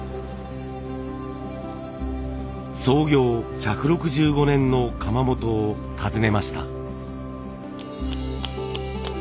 創業１６５年の窯元を訪ねました。